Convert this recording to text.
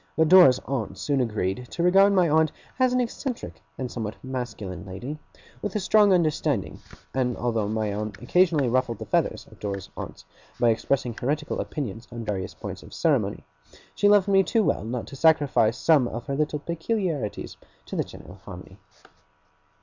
But Dora's aunts soon agreed to regard my aunt as an eccentric and somewhat masculine lady, with a strong understanding; and although my aunt occasionally ruffled the feathers of Dora's aunts, by expressing heretical opinions on various points of ceremony, she loved me too well not to sacrifice some of her little peculiarities to the general harmony.